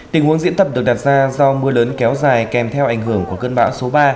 tình huống diễn tập được đặt ra do mưa lớn kéo dài kèm theo ảnh hưởng của cơn bão số ba